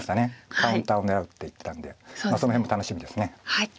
カウンターを狙うって言ってたんでその辺も楽しみです。